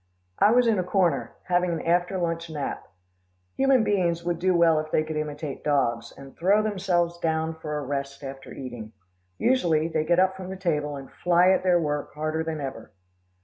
I was in a corner, having an after lunch nap. Human beings would do well if they could imitate dogs, and throw themselves down for a rest after eating. Usually, they get up from the table and fly at their work harder than ever.